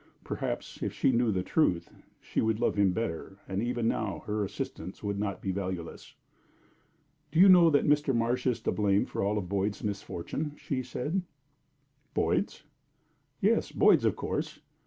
Perhaps if she knew the truth, she would love him better, and even now her assistance would not be valueless. "Do you know that Mr. Marsh is to blame for all of Boyd's misfortune?" she said. "Boyd's?" "Yes, Boyd's, of course.